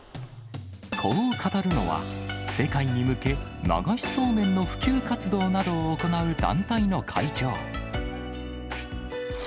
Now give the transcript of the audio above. こう語るのは、世界に向け流しそうめんの普及活動などを行う団体の会長。